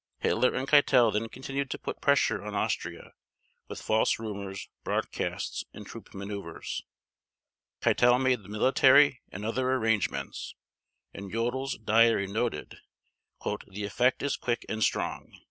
Hitler and Keitel then continued to put pressure on Austria with false rumors, broadcasts, and troop maneuvers. Keitel made the military and other arrangements, and Jodl's diary noted "the effect is quick and strong."